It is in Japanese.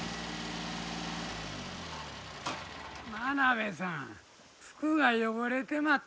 真鍋さん服が汚れてまって。